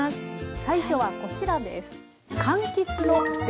最初はこちらです。